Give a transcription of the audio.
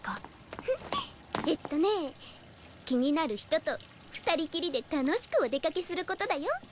ウフッえっとね気になる人と２人きりで楽しくお出かけすることだよ！